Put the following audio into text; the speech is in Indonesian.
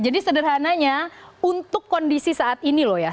jadi sederhananya untuk kondisi saat ini loh ya